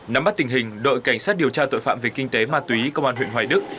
nắm bắt tình hình đội cảnh sát điều tra tội phạm về kinh tế ma túy công an huyện hoài đức